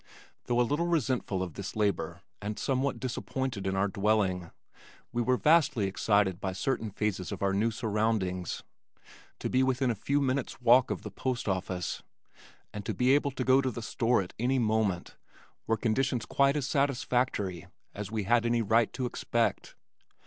Though a little resentful of this labor and somewhat disappointed in our dwelling, we were vastly excited by certain phases of our new surroundings. To be within a few minutes' walk of the postoffice, and to be able to go to the store at any moment, were conditions quite as satisfactory as we had any right to expect.